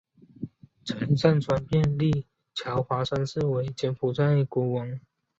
陈上川便立乔华三世为柬埔寨国王。